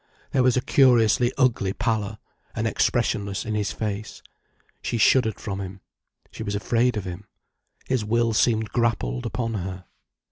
There was a curiously ugly pallor, an expressionlessness in his face. She shuddered from him. She was afraid of him. His will seemed grappled upon her.